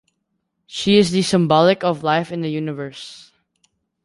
She is the symbolic of life in the universe.